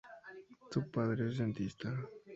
Su padre es dentista.